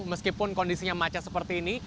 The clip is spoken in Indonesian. meskipun kondisinya macet seperti ini